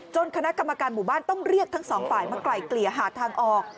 คณะกรรมการหมู่บ้านต้องเรียกทั้งสองฝ่ายมาไกลเกลี่ยหาทางออก